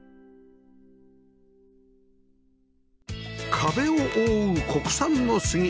壁を覆う国産の杉